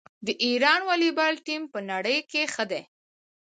د ایران والیبال ټیم په نړۍ کې ښه دی.